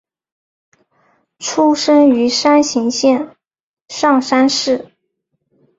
出身于山形县上山市。